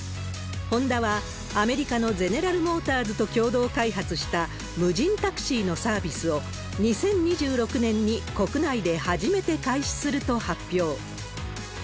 ホンダは、アメリカのゼネラル・モーターズと共同開発した無人タクシーのサービスを２０２６年に国内で初めて開始すると発表。